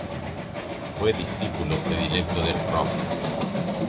Fue discípulo predilecto del Prof.